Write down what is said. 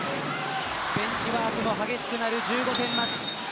ベンチワークも激しくなる１５点マッチ。